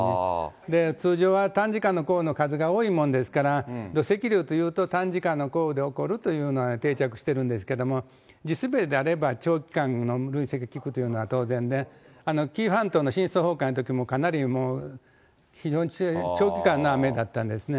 通常は短時間の降雨の数が多いものですから、土石流というと、短時間の降雨で起こるというようなのが定着してるんですけども、地滑りであれば、長期間の分が効くというのは、当然で、紀伊半島の深層崩壊のときも、かなりもう、非常に強い、長期間の雨だったんですね。